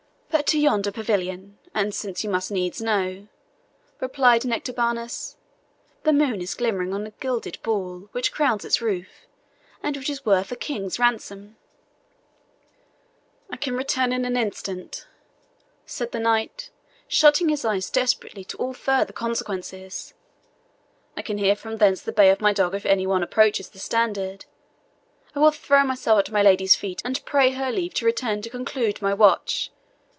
"But to yonder pavilion; and, since you must needs know," replied Nectabanus, "the moon is glimmering on the gilded ball which crowns its roof, and which is worth a king's ransom." "I can return in an instant," said the knight, shutting his eyes desperately to all further consequences, "I can hear from thence the bay of my dog if any one approaches the standard. I will throw myself at my lady's feet, and pray her leave to return to conclude my watch.